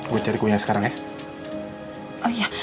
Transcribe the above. gua cari ku nya sekarang ya